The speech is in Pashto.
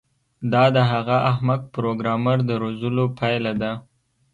دا د هغه احمق پروګرامر د روزلو پایله ده